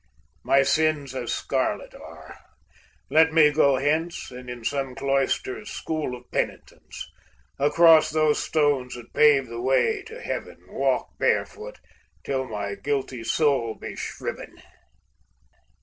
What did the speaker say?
My sins as scarlet are; let me go hence, And in some cloister's school of penitence, Across those stones that pave the way to heaven, Walk barefoot, till my guilty soul be shriven!"